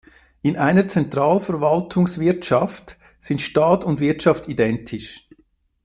In einer Zentralverwaltungswirtschaft sind Staat und Wirtschaft identisch.